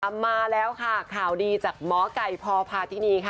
มาแล้วค่ะข่าวดีจากหมอไก่พพาธินีค่ะ